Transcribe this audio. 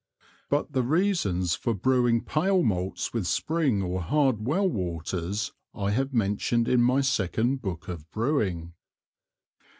But the reasons for Brewing pale Malts with Spring or hard Well waters, I have mentioned in my second Book of Brewing.